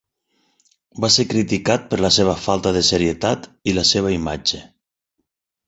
Va ser criticat per la seva falta de serietat i la seva imatge.